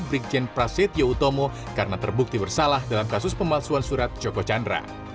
brigjen prasetyo utomo karena terbukti bersalah dalam kasus pemalsuan surat joko chandra